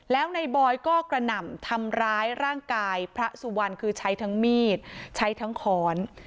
แล้วในบอยก็กระหน่ำทำร้ายร่างกายพระสุวรรณคือใช้ทั้งมีดใช้ทั้งค้อน